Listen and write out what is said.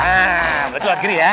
nah buat luar giri ya